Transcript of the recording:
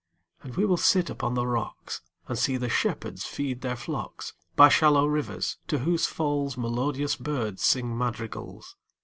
And we will sit upon the rocks, 5 And see the shepherds feed their flocks By shallow rivers, to whose falls Melodious birds sing madrigals.